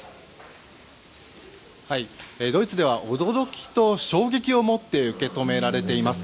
ドイツでは驚きと衝撃を持って受け止められています。